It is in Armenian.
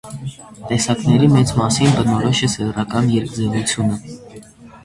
Տեսակների մեծ մասին բնորոշ է սեռական երկձևությունը։